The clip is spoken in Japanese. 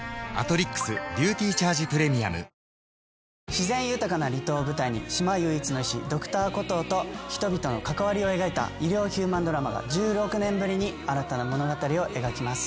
自然豊かな離島を舞台に島唯一の医師Ｄｒ．コトーと人々の関わりを描いた医療ヒューマンドラマが１６年ぶりに新たな物語を描きます。